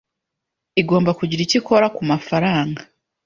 Igomba kugira icyo ikora kumafaranga.